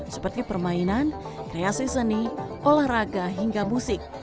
seperti permainan kreasi seni olahraga hingga musik